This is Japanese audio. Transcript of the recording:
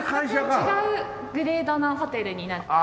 全く違うグレードのホテルになっております。